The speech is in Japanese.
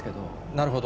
なるほど。